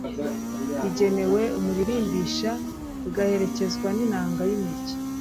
igenewe umuririmbisha, igaherekezwa n'inanga y'imirya